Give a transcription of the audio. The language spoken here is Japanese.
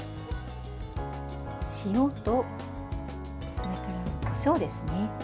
塩と、それからこしょうですね。